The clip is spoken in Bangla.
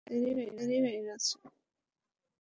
স্যার, অনেক দেরি হয়ে গেছে।